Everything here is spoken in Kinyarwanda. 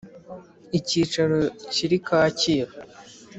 Icyicaro Kiri Kacyiru